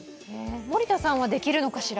森田さんはできるのかしら？